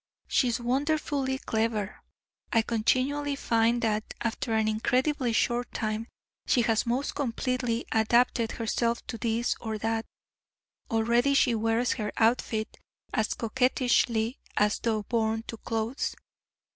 She is wonderfully clever! I continually find that, after an incredibly short time, she has most completely adapted herself to this or that. Already she wears her outfit as coquettishly as though born to clothes.